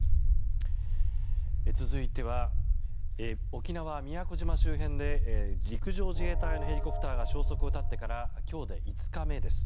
続いては沖縄・宮古島周辺で陸上自衛隊のヘリコプターが消息を絶ってから今日で５日目です。